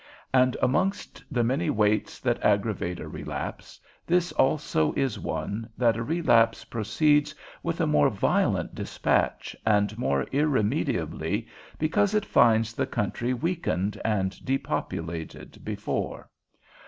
And amongst the many weights that aggravate a relapse, this also is one, that a relapse proceeds with a more violent dispatch, and more irremediably, because it finds the country weakened, and depopulated before.